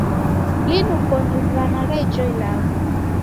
Linu koni dizighanagha ijo ilagho.